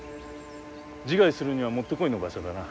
自害するにはもってこいの場所だな。